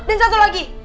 dan satu lagi